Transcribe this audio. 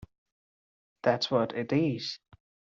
That's what it is.